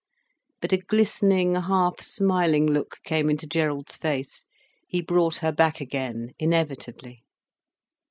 But a glistening, half smiling look came into Gerald's face. He brought her back again, inevitably.